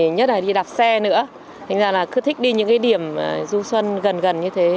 nhất là đi đạp xe nữa nên là cứ thích đi những điểm du xuân gần gần như thế